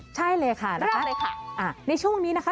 ใช่เลยค่ะนะคะเริ่มเลยค่ะอ่ะในช่วงนี้นะคะ